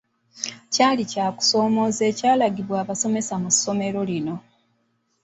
Kyali kya kusomooza ekyalagibwa abasomesa mu ssomero lino.